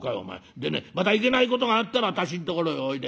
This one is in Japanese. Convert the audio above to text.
でねまたいけないことがあったら私んところへおいで。